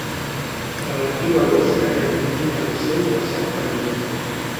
Relatiu a l'ós que reivindica el seu passat caldeu.